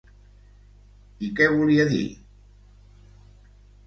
I què volia dir?